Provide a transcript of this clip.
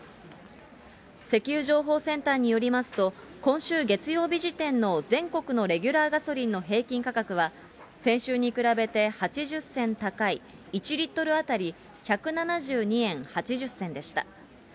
石油情報センターによりますと、今週月曜日時点の全国のレギュラーガソリンの平均価格は、先週に比べて８０銭高い、１リットル当たり１７２円８０銭でした。